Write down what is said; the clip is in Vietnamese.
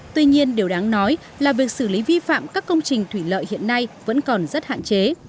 tuy nhiên điều đáng nói là việc xử lý vi phạm các công trình thủy lợi hiện nay vẫn còn rất hạn chế